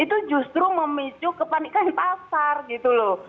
itu justru memicu kepanikan pasar gitu loh